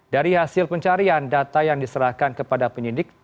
dari hasil pencarian data yang diserahkan kepada penyidik